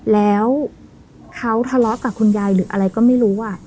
แล้วเขาทะเลาะกับคุณยายหรืออะไรก็ไม่รู้